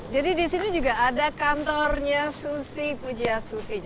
jadi di sini juga ada kantornya susi pujiastuti